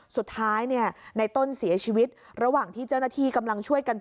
สุดท้ายเนี่ยในต้นเสียชีวิตระหว่างที่เจ้าหน้าที่กำลังช่วยกัน